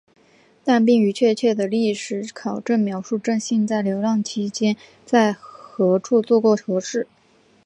但并无确切的历史考证描述正信在流浪期间在何处做过何事。